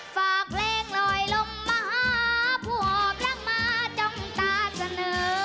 ฝากแรงลอยลมมหาผู้หอบร่างมาจ้องตาเสนอ